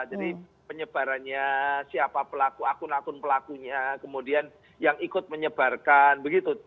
jadi penyebarannya siapa pelaku akun akun pelakunya kemudian yang ikut menyebarkan begitu